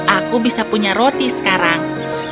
aku bisa punya roti sekarang